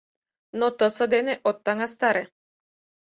Но тысе дене от таҥастаре.